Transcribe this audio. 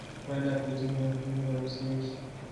Baada ya kuhitimu elimu ya msingi